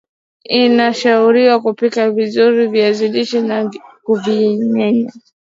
inashauriwa kupika vizuri viazi lishe na kuvimenya